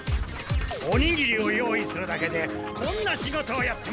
おにぎりを用意するだけでこんな仕事をやってもらえるとは。